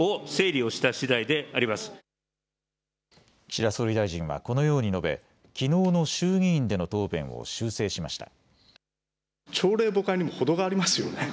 岸田総理大臣はこのように述べきのうの衆議院での答弁を修正しました。